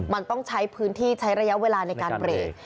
มันต้องใช้พื้นที่ใช้ระยะเวลาในการเบรก